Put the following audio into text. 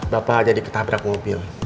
bapak jadi ketabrak mobil